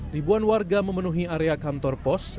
ribuan warga memenuhi area kantor pos